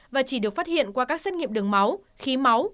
và chỉ được phát hiện qua các xét nghiệm đường máu khí máu